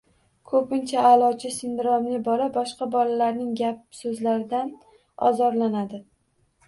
Ko‘pincha aʼlochi sindromli bola boshqa bolalarning gap-so‘zlaridan ozorlanadi.